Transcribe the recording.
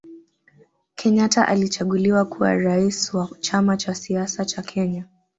Kenyata alichaguliwa kuwa rais wa chama cha siasa cha kenya